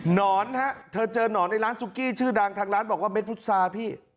นอนฮะเธอเจอหนอนในร้านซุกี้ชื่อดังทางร้านบอกว่าเด็ดพุษาพี่